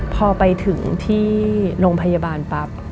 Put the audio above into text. พอไปถึงที่โรงพยาบาลปั๊บ